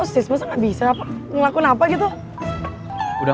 kan kita masih punya kesempatan